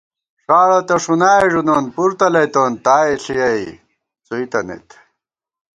ݭاڑہ تہ ݭُنائے ݫُنون پُر تلَئ تون تائےݪِیَئی څُوئی تنَئیت